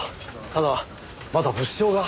ただまだ物証が。